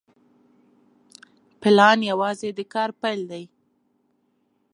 پلان یوازې د کار پیل دی.